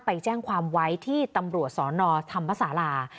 ไปแจ้งความไว้ที่ตำรวจสนธรรมศาลา